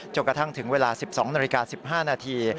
กระทั่งถึงเวลา๑๒นาฬิกา๑๕นาที